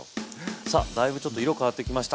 さあだいぶちょっと色変わってきました。